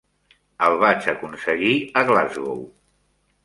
El vaig aconseguir a Glasgow.